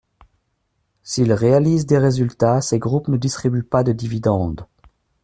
S’ils réalisent des résultats, ces groupes ne distribuent pas de dividendes.